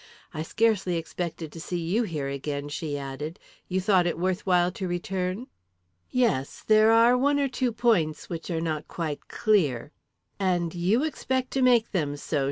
I scarcely expected to see you here again," she added. "You thought it worth while to return?" "Yes; there are one or two points which are not quite clear." "And you expect to make them so?"